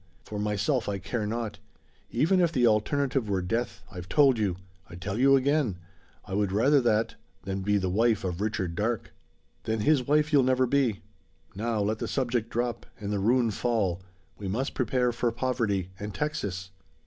For myself I care not. Even if the alternative were death, I've told you I tell you again I would rather that, than be the wife of Richard Darke." "Then his wife you'll never be! Now, let the subject drop, and the ruin fall! We must prepare for poverty, and Texas!"